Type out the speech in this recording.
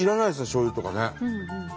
しょうゆとかね。